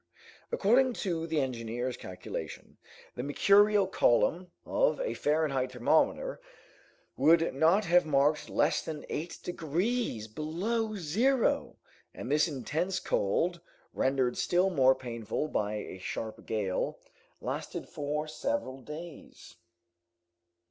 According to the engineer's calculation, the mercurial column of a Fahrenheit thermometer would not have marked less than eight degrees below zero, and this intense cold, rendered still more painful by a sharp gale, lasted for several days.